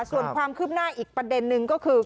ส่วนความคืบหน้าอีกประเด็นนึงก็คือ